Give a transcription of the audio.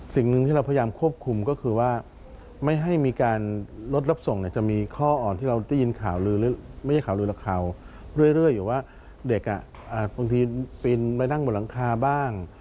สิ่งหนึ่งที่เราพยายามควบคุมก็คือว่าไม่ให้มีการรถรับส่งจะมีข้ออ่อนที่เราได้ยินข่าวลือและข่าวเรื่อยอยู่ว่าเด็กบางทีไปนั่งบนหลังคาบ้าง